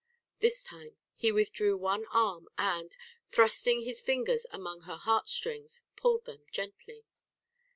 This time he withdrew one arm and, thrusting his fingers among her heartstrings, pulled them gently.